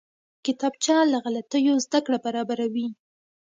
کتابچه له غلطیو زده کړه برابروي